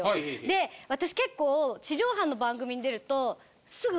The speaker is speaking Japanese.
で私結構地上波の番組に出ると。